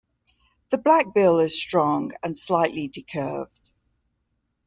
The black bill is strong and slightly decurved.